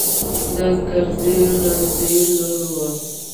د کرزي رنډۍ لور ده.